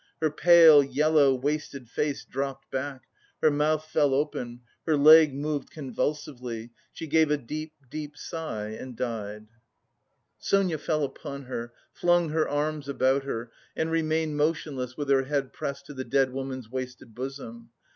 Her pale, yellow, wasted face dropped back, her mouth fell open, her leg moved convulsively, she gave a deep, deep sigh and died. Sonia fell upon her, flung her arms about her, and remained motionless with her head pressed to the dead woman's wasted bosom.